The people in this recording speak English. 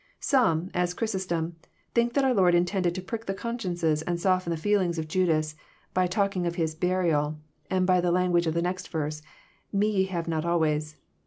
Some, as Chrysostom, think that our Lord intended to prick the conscience and soften the feelings of Judas by talking of His burial," and by the language of the next verse, '* Me ye have not always."